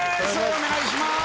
お願いします